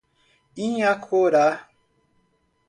Inhacorá